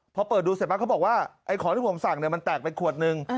พอเปิดดูเสร็จปั๊บเขาบอกว่าไอ้ของที่ผมสั่งมันแตกไปขวดนึง